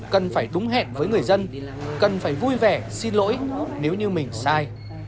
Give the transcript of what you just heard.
cần phải đúng hẹn với người dân cần phải vui vẻ xin lỗi nếu như mình sai